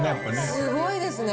すごいですね。